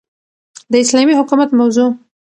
داسلامي حكومت موضوع